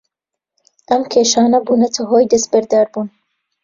ئەم کێشانە بوونەتە هۆی دەستبەرداربوون